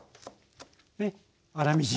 粗みじん。